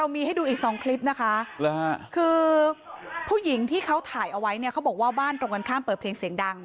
คือผู้หญิงที่เขาถ่ายเอาไว้เนี่ยเขาบอกว่าบ้านตรงกันข้ามเปิดเพลงเสียงดัง